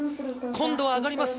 今度は上がります。